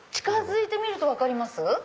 近づいて見ると分かります？